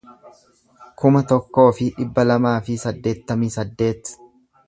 kuma tokkoo fi dhibba lamaa fi saddeettamii saddeet